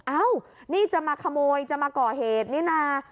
อ้าวนี่จะมาขโมยจะมาก่อเหตุนี่นะ